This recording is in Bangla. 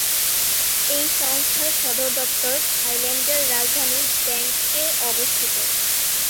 এই সংস্থার সদর দপ্তর থাইল্যান্ডের রাজধানী ব্যাংককে অবস্থিত।